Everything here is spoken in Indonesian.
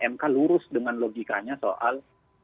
mk lurus dengan logikanya soal